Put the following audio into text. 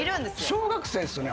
小学生ですよね？